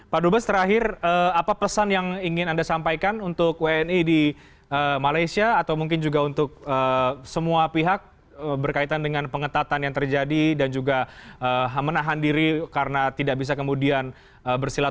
pak dubes terakhir apa pesan yang ingin anda sampaikan untuk wni di malaysia atau mungkin juga untuk semua pihak berkaitan dengan pengetatan yang terjadi dan juga menahan diri karena tidak bisa kemudian bersilaturah